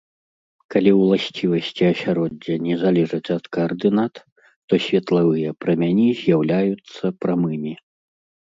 Калі ўласцівасці асяроддзя не залежаць ад каардынат, то светлавыя прамяні з'яўляюцца прамымі.